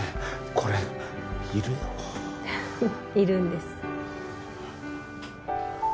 これいるよいるんです